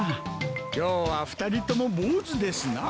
今日は２人ともボウズですな。